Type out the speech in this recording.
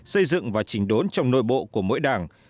xây dựng và chỉnh đốn trong nội bộ của mỗi đảng